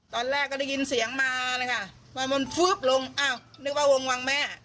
ตอนแรกก็ได้ยินเสียงมาเลยค่ะว่ามันฟึ๊บลงอ้าวนึกว่าวงวังแม่